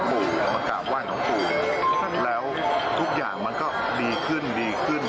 มากราบว่านของปู่แล้วทุกอย่างมันก็ดีขึ้น